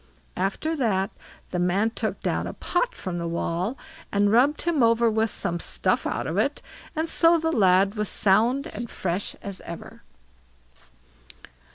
After that the man took down a pot from the wall, and rubbed him over with some stuff out of it, and so the lad was sound and fresh as ever.